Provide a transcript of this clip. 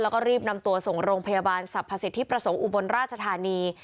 แล้วก็รีบนำตัวส่งโรงพยาบาลสรรพสิทธิประสงค์อุบลราชธานี